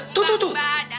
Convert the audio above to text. tuh tuh tuh